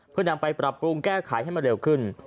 เพื่อนำไปปรับปรุงแก้ไขให้มาเร็วขึ้น